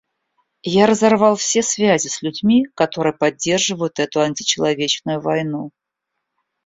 Я разорвал все связи с людьми, которые поддерживают эту античеловечную войну.